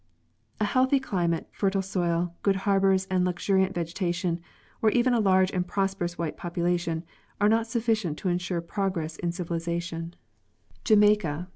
A healthy climate, fertile soil, good harbors, and luxuriant vegetation, or even a large and prosperous white population, are not sufficient to ensure progress in civilization, Jamaica, the Where the Whites fall before the Blacks.